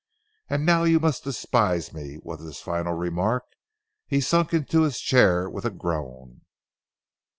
"And now you must despise me" was his final remark. He sunk into his chair with a groan.